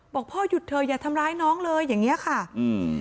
บอกพ่อหยุดเธออย่าทำร้ายน้องเลยอย่างเงี้ยค่ะอืม